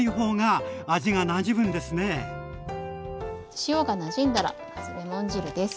塩がなじんだらまずレモン汁です。